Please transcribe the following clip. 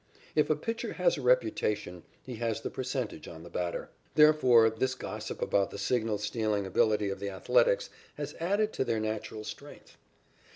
If a pitcher has a reputation, he has the percentage on the batter. Therefore, this gossip about the signal stealing ability of the Athletics has added to their natural strength.